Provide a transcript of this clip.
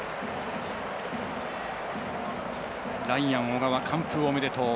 ライアン小川、完封おめでとう！